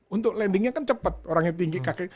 untuk landingnya kan cepat orangnya tinggi kakek